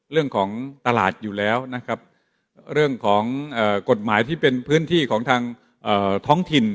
เรื่องของตลาดอยู่แล้วนะครับเรื่องของกฎหมายที่เป็นพื้นที่ของทางท้องถิ่น